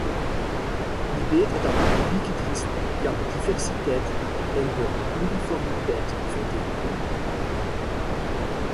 Wie beter dan de publieke dienst kan de diversiteit en de pluriformiteit verdedigen?